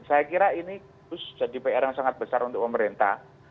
saya kira ini jadi pr yang sangat besar untuk pemerintah